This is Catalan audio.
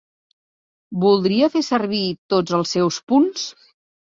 Voldria fer servir tots els seus punts?